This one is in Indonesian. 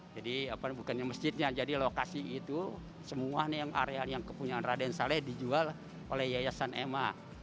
jadi bukan masjidnya jadi lokasi itu semua areal yang kepunyaan raden saleh dijual oleh yayasan ema